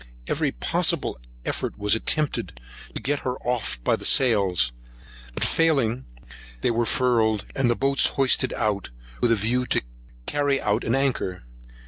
Every possible effort was attempted to get her off by the sails; but that failing, they were furled, and the boats hoisted out with a view to carry out an anchor.